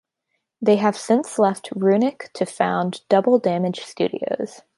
They have since left Runic to found Double Damage Studios.